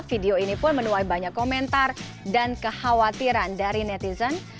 video ini pun menuai banyak komentar dan kekhawatiran dari netizen